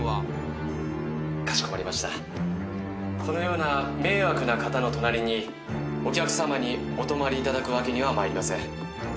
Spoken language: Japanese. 「このような迷惑な方の隣にお客さまにお泊まりいただくわけにはまいりません」